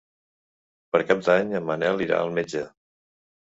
Per Cap d'Any en Manel irà al metge.